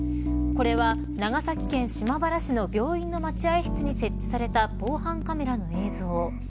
これは、長崎県島原市の病院の待合室に設置された防犯カメラの映像。